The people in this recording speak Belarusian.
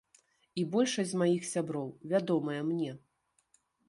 І большасць з маіх сяброў вядомыя мне.